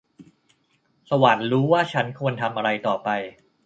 สวรรค์รู้ว่าฉันควรทำอะไรต่อไป